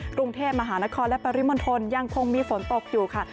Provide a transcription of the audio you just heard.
กรุงเทพมหานครและปริมณฑลยังคงมีฝนตกอยู่ค่ะ